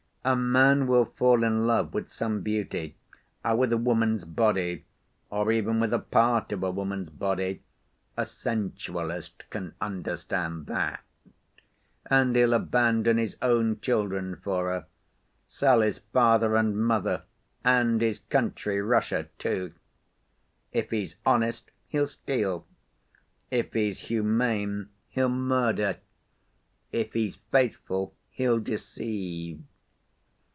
A man will fall in love with some beauty, with a woman's body, or even with a part of a woman's body (a sensualist can understand that), and he'll abandon his own children for her, sell his father and mother, and his country, Russia, too. If he's honest, he'll steal; if he's humane, he'll murder; if he's faithful, he'll deceive.